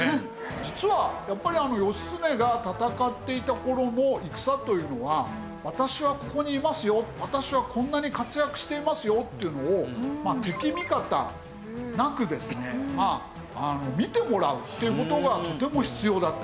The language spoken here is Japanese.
実はやっぱり義経が戦っていた頃の戦というのは「私はここにいますよ」「私はこんなに活躍していますよ」というのを敵味方なくですね見てもらうという事がとても必要だった。